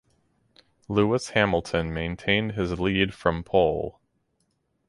Lewis Hamilton maintained his lead from pole.